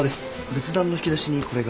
仏壇の引き出しにこれが。